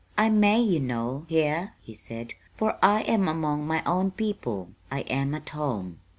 "I may, you know, here," he said, "for I am among my own people. I am at home."